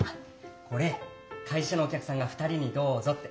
これ会社のおきゃくさんが２人にどうぞって。